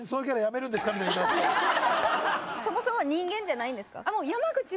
そもそも人間じゃないんですか？